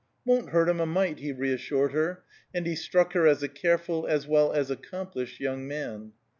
"Won't hurt 'em a mite," he reassured her, and he struck her as a careful as well as accomplished young man.